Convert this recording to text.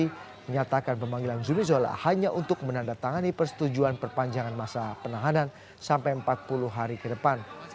jokowi menyatakan pemanggilan zumi zola hanya untuk menandatangani persetujuan perpanjangan masa penahanan sampai empat puluh hari ke depan